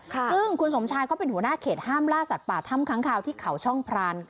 ซึ่งคุณสมชายเขาเป็นหัวหน้าเขตห้ามล่าสัตว์ป่าถ้ำค้างคาวที่เขาช่องพราน